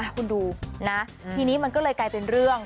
คุณดูนะทีนี้มันก็เลยกลายเป็นเรื่อง